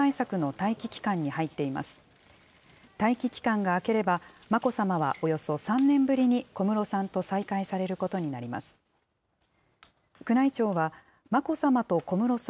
待機期間が明ければ、眞子さまはおよそ３年ぶりに小室さんと再会されることになります。